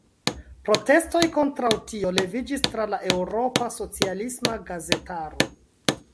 Protestoj kontraŭ tio leviĝis tra la eŭropa socialisma gazetaro.